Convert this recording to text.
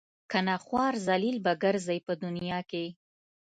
کنه خوار ذلیل به ګرځئ په دنیا کې.